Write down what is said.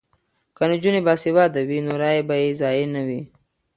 که نجونې باسواده وي نو رایې به یې ضایع نه وي.